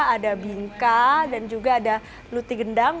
ada bingka dan juga ada luti gendang